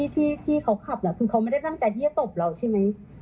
ที่เขาขับคือเขาไม่ได้ตั้งใจที่จะตบเราใช่ไหม